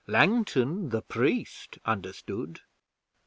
Langton, the priest, understood.